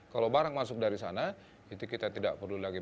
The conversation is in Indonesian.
kalau barang masuk dari sana itu kita tidak perlu lagi